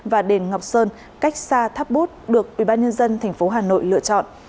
và đền ngọc sơn cách xa tháp bút được ubnd tp hà nội lựa chọn